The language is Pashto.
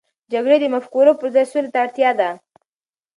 د جګړې د مفکورو پر ځای، سولې ته اړتیا ده.